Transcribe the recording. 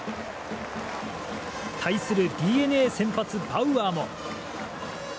対するＤｅＮＡ先発バウアーも。